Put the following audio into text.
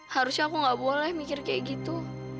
harusnya aku gak boleh mikir kayak gitu